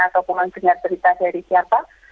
atau pulang kenyataan dari siapa